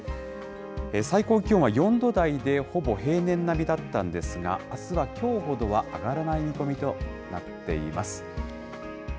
最高気温は４度台でほぼ平年並みだったんですが、あすはきょうほどは上がらない見込みとなっています。